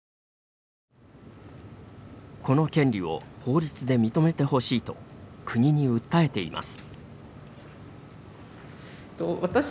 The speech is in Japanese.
この権利を法律で認めてほしいと国に訴えています。